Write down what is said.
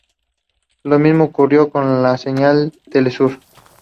Lo mismo ocurrió con la señal de TeleSur.